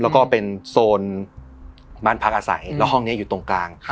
แล้วก็เป็นโซนบ้านพักอาศัยแล้วห้องนี้อยู่ตรงกลาง